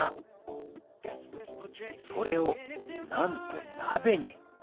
それをなんと鍋に！